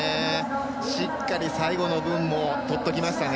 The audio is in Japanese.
しっかり最後の分もとっておきましたね。